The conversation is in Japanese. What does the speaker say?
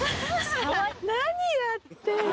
何やってんの？